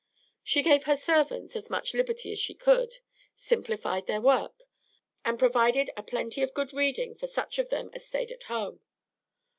She gave her servants as much liberty as she could, simplified their work, and provided a plenty of good reading for such of them as stayed at home.